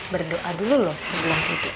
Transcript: berdoa dulu loh sebelum itu